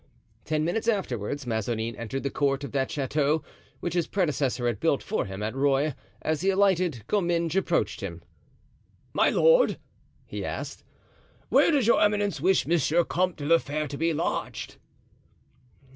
Ten minutes afterward Mazarin entered the court of that chateau which his predecessor had built for him at Rueil; as he alighted, Comminges approached him. "My lord," he asked, "where does your eminence wish Monsieur Comte de la Fere to be lodged?"